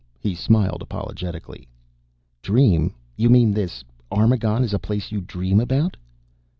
He smiled apologetically. "Dream? You mean this Armagon is a place you dream about?"